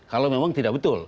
kalau memang tidak betul